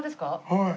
はい。